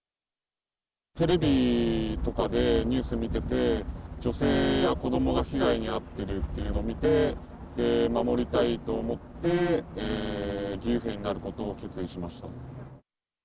テレビとかでニュース見てて、女性や子どもが被害に遭ってるっていうのを見て、守りたいと思って、義勇兵になることを決意しました。